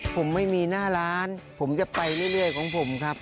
ผมไม่มีหน้าร้านผมจะไปเรื่อยของผมครับ